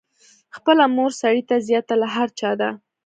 خپله مور سړي ته زیاته له هر چا ده.